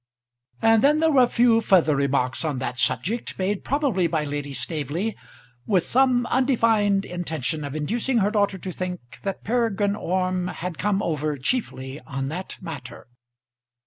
And then there were a few further remarks on that subject, made probably by Lady Staveley with some undefined intention of inducing her daughter to think that Peregrine Orme had come over chiefly on that matter.